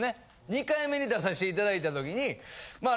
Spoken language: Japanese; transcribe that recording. ２回目に出さして頂いた時にまあ